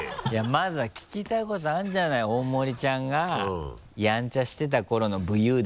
まずは聞きたいことあるじゃない大森ちゃんがやんちゃしてた頃の武勇伝。